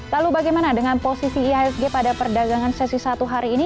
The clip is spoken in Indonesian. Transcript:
lalu bagaimana dengan posisi ihsg pada perdagangan sesi satu hari ini